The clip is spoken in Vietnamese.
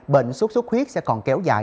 bệnh sốt sốt khuyết sẽ còn kéo dài